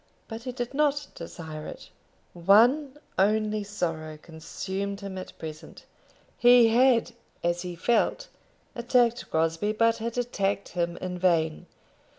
But he did not desire it. One only sorrow consumed him at present. He had, as he felt, attacked Crosbie, but had attacked him in vain.